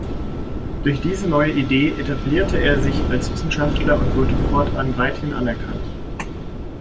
Durch diese neue Idee etablierte er sich als Wissenschaftler und wurde fortan weithin anerkannt.